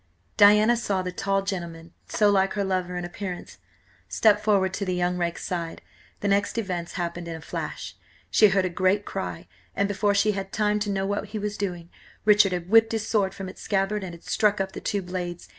Diana saw the tall gentleman, so like her lover in appearance, step forward to the young rake's side. The next events happened in a flash. She heard a great cry, and before she had time to know what he was doing, Richard had whipped his sword from its scabbard and had struck up the two blades.